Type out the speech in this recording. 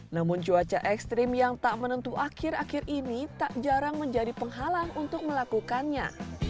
namun cuaca ekstrim yang tak menentu akhir akhir ini tak jarang menjadi penghalang untuk melakukannya